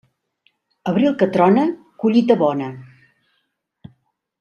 Abril que trona, collita bona.